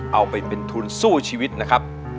เอาไปเป็นทุนสู้ชีวิตนะครับ